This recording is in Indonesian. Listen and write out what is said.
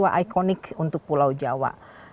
sebuah ikonik untuk pulau jawa